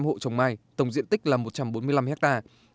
một năm trăm linh hộ trồng mai tổng diện tích là một trăm bốn mươi năm hectare